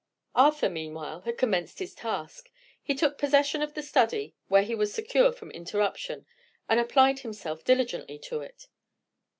Arthur, meanwhile, had commenced his task. He took possession of the study, where he was secure from interruption, and applied himself diligently to it.